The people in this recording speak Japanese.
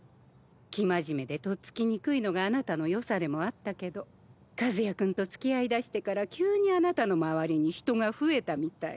生真面目でとっつきにくいのがあなたのよさでもあったけど和也君とつきあいだしてから急にあなたの周りに人が増えたみたい。